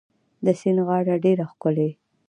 د سیند غاړه ډيره ښکلې